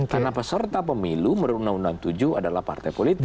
karena peserta pemilu menurut undang undang tujuh adalah partai politik